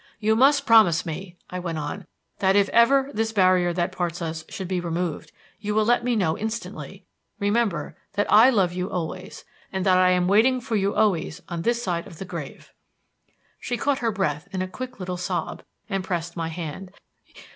"You must promise me," I went on, "that if ever this barrier that parts us should be removed, you will let me know instantly. Remember that I love you always, and that I am waiting for you always on this side of the grave." She caught her breath in a quick little sob, and pressed my hand.